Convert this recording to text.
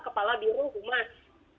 kepala biru rumas